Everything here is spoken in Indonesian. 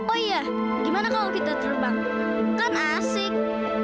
oh iya gimana kalau kita terbang kan asik